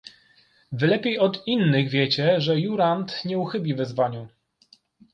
"wy lepiej od innych wiecie, że Jurand nie uchybi wyzwaniu."